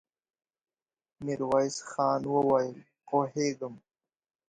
ميرويس خان وويل: پوهېږم.